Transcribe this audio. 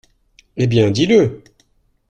Eh bien, dis-le !